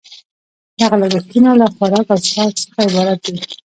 دغه لګښتونه له خوراک او څښاک څخه عبارت دي